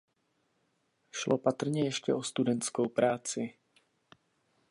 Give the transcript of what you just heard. Šlo patrně ještě o studentskou práci.